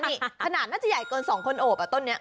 ถนาดน่าจะใหญ่กว่าสองคนโอบอ่ะต้นนี้